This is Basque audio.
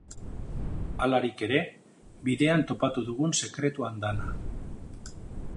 Halarik ere, bidean topatu dugun sekretu andana.